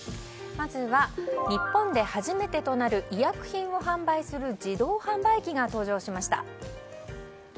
まずは日本で初めてとなる医薬品を販売する自動販売機が登場しました。